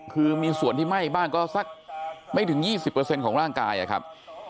คือมีส่วนที่ไหม้บ้างก็สักไม่ถึง๒๐ของร่างกายนะครับ